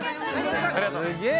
ありがとう。